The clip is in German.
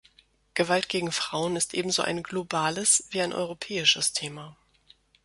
Gewalt gegen Frauen ist ebenso ein globales wie ein europäisches Thema.